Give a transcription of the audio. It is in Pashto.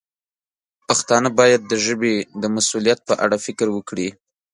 پښتانه باید د ژبې د مسوولیت په اړه فکر وکړي.